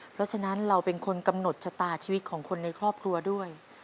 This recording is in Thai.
เพราะฉะนั้นเราเป็นคนกำหนดชะตาชีวิตของคนในครอบครัวด้วย